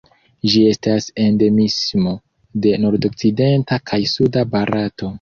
Ĝi estas endemismo de nordokcidenta kaj suda Barato.